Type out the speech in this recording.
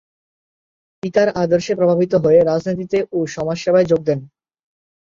পিতার আদর্শে প্রভাবিত হয়ে রাজনীতিতে ও সমাজসেবায় যোগ দেন।